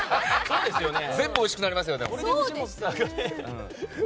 全部おいしくなりますよね。